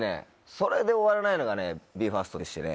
それで終わらないのがＢＥ：ＦＩＲＳＴでしてね。